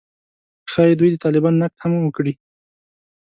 ښايي دوی د طالبانو نقد هم وکړي